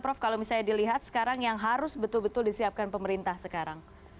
prof kalau misalnya dilihat sekarang yang harus betul betul disiapkan pemerintah sekarang